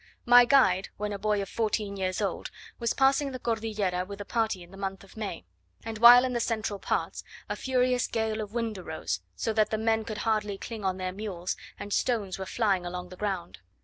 My guide, when a boy of fourteen years old, was passing the Cordillera with a party in the month of May; and while in the central parts, a furious gale of wind arose, so that the men could hardly cling on their mules, and stones were flying along the ground.